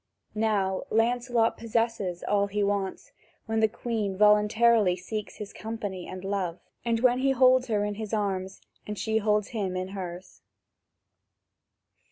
Now Lancelot possesses all he wants, when the Queen voluntarily seeks his company and love, and when he holds her in his arms, and she holds him in hers.